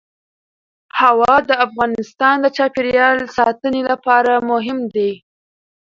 هوا د افغانستان د چاپیریال ساتنې لپاره مهم دي.